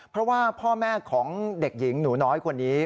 เพราะว่าพ่อแม่ของเด็กหญิงหนูน้อยคนนี้